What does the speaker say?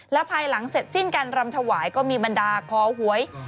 และภายหลังเสร็จสิ้นการรำถวายก็มีบรรดาคอหวย